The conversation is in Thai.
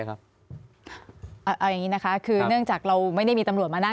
เอาอย่างนี้นะคะคือเนื่องจากเราไม่ได้มีตำรวจมานะ